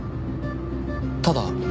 ただ。